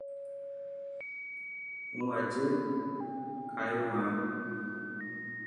هو اڄ ايو هان.